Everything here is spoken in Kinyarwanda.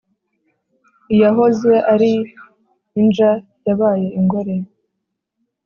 iyahoze ari inja yabaye ingore